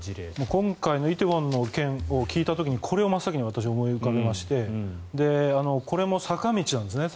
今回の梨泰院の件を聞いた時にこれを真っ先に私は思い浮かべましてこれも坂道なんですね。